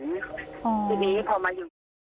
ทีนี้พอมาอยู่